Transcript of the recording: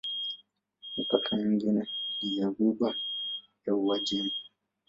Mipaka mingine ni ya Ghuba ya Uajemi.